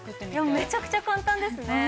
◆めちゃくちゃ簡単ですね。